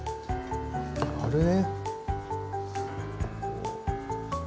あれ。